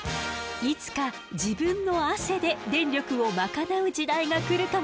いつか自分の汗で電力を賄う時代が来るかもしれないわね。